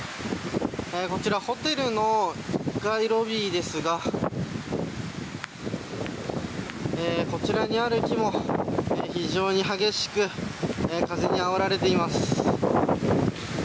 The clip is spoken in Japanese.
こちら、ホテルの１階ロビーですがこちらにある木も非常に激しく風にあおられています。